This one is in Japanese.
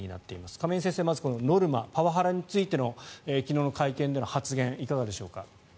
亀井先生、まずこのノルマパワハラについての昨日の会見での発言いかがでしょうか。